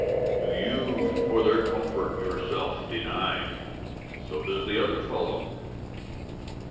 Do you for their comfort yourself deny? So does the other fellow.